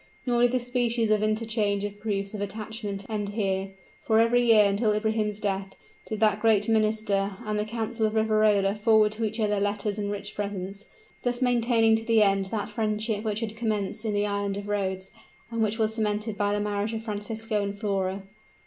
Nor did this species of interchange of proofs of attachment end here, for every year, until Ibrahim's death, did that great minister and the Count of Riverola forward to each other letters and rich presents thus maintaining to the end that friendship which had commenced in the Island of Rhodes, and which was cemented by the marriage of Francisco and Flora.